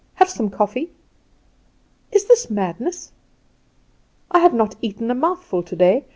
Have some coffee!' "Is this madness? "I have not eaten a mouthful today.